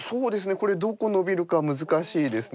これどこノビるか難しいですね。